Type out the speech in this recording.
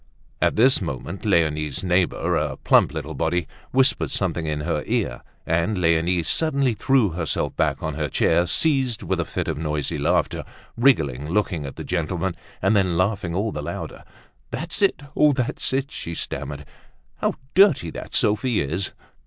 At this moment Leonie's neighbor, a plump little body, whispered something in her ear and Leonie suddenly threw herself back on her chair, seized with a fit of noisy laughter, wriggling, looking at the gentleman and then laughing all the louder. "That's it. Oh! that's it," she stammered. "How dirty that Sophie is!"